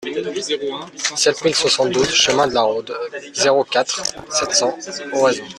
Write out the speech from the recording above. sept mille soixante-douze chemin de la Rhôde, zéro quatre, sept cents, Oraison